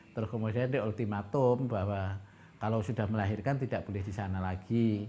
terus kemudian di ultimatum bahwa kalau sudah melahirkan tidak boleh di sana lagi